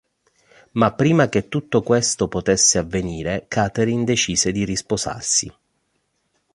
Ma prima che tutto questo potesse avvenire Catherine decise di risposarsi.